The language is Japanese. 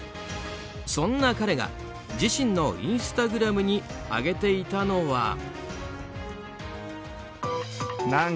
そんな彼が自身のインスタグラムに上げていたのは。